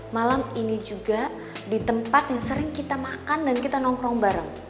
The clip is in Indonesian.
malam ini juga di tempat yang sering kita makan dan kita nongkrong bareng